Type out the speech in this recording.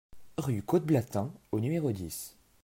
Rue Côte Blatin au numéro dix